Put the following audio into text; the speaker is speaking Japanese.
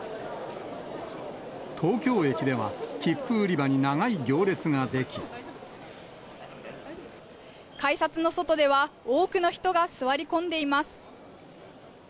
東京駅では、改札の外では、多くの人が座り込んでいます。